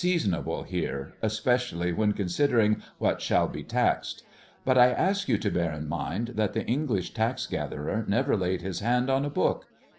sonable here, especially when considering what shall be taxed; but I ask you to bear in mind that the English tax gatherer never laid his hand on a book.